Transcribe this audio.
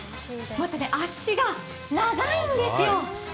足が長いんですよ。